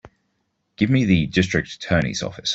Give me the District Attorney's office.